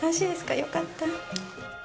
よかった。